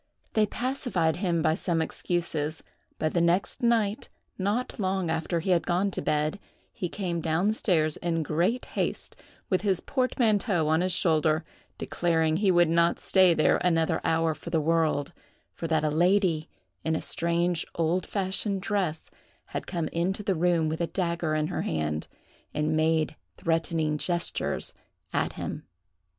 They pacified him by some excuses; but the next night, not long after he had gone to bed, he came down stairs in great haste, with his portmanteau on his shoulder, declaring he would not stay there another hour for the world; for that a lady, in a strange old fashioned dress, had come into the room with a dagger in her hand, and made threatening gestures at him.